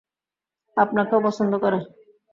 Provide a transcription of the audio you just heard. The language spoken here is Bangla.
আপনাকে ও পছন্দ করে।